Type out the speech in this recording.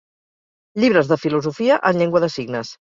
Llibres de filosofia en llengua de signes.